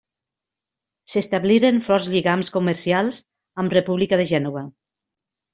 S'establiren forts lligams comercials amb República de Gènova.